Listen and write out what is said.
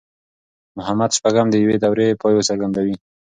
محمد شپږم د يوې دورې پای څرګندوي.